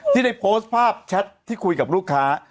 ที่ได้โพสต์ภาพแชทที่คุยกับลูกค้า